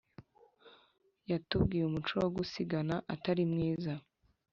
yatubwiye umuco wo gusigana atari mwiza